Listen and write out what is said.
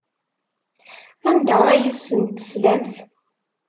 Anda ay asen-teslamt?